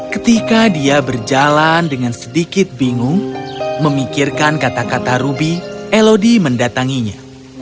ketika dia berjalan dengan sedikit bingung memikirkan kata kata ruby elodi mendatanginya